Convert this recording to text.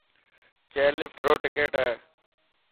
چيئرلفٽ روڪ ٽڪٽ هي.